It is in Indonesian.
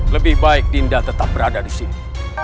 lebih baik dinda tetap berada disini